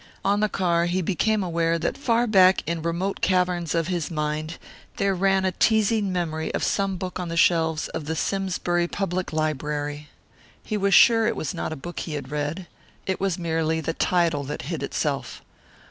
On the car he became aware that far back in remote caverns of his mind there ran a teasing memory of some book on the shelves of the Simsbury public library. He was sure it was not a book he had read. It was merely the title that hid itself.